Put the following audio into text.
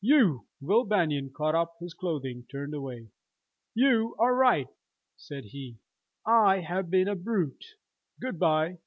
"You!" Will Banion caught up his clothing, turned away. "You are right!" said he. "I have been a brute! Good by!"